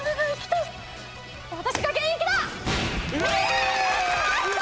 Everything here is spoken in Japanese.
私が現役だ！